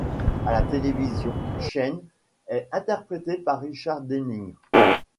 À la télévision, Shayne est interprété par Richard Denning.